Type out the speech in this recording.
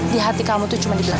di hati kamu itu cuma dipercaya